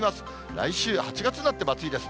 来週、８月になっても暑いです。